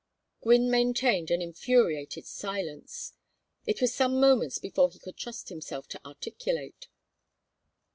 Gwynne maintained an infuriated silence. It was some moments before he could trust himself to articulate.